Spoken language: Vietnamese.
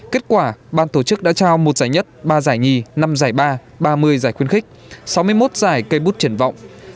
kết quả ban tổ chức đã trao một giải nhất ba giải nhì năm giải ba ba mươi giải khuyến khích sáu mươi một giải cây bút triển vọng